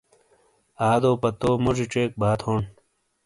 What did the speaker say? آ دو پتو موڙی ڇیک با تھونڈ